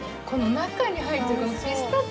中に入ってるこの。